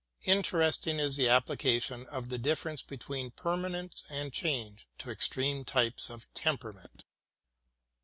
Interesting is the application of the difference between permanence and change to extreme types of temperament.